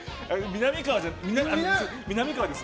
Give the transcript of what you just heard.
みなみかわです。